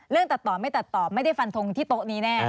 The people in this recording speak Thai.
ตัดต่อไม่ตัดต่อไม่ได้ฟันทงที่โต๊ะนี้แน่